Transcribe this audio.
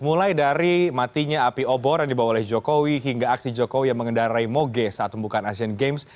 mulai dari matinya api obor yang dibawa oleh jokowi hingga aksi jokowi yang mengendarai moge saat pembukaan asian games